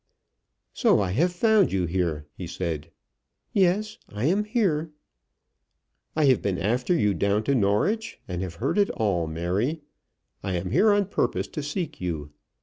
"So I have found you here," he said. "Yes, I am here." "I have been after you down to Norwich, and have heard it all. Mary, I am here on purpose to seek you.